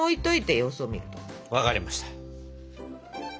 分かりました。